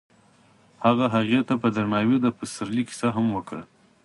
هغه هغې ته په درناوي د پسرلی کیسه هم وکړه.